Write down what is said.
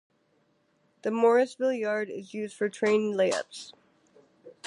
The Morrisville Yard is used for train layups.